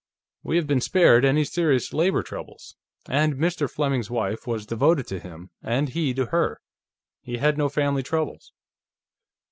We have been spared any serious labor troubles. And Mr. Fleming's wife was devoted to him, and he to her. He had no family troubles."